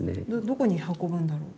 どこに運ぶんだろう。